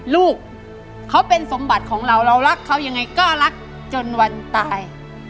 ลูกเขาเป็นสมบัติของเราเรารักเขายังไงก็รักจนวันตาย